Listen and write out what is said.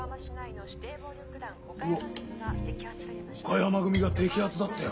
岡山組が摘発だってよ。